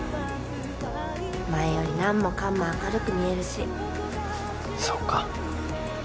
前より何もかんも明るく見えるしそうか